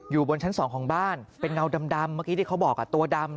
บนชั้น๒ของบ้านเป็นเงาดำเมื่อกี้ที่เขาบอกตัวดำ